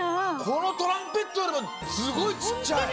このトランペットよりもすごいちっちゃい。